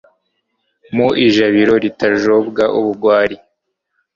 mu ijabiro ritajobwa ubugwari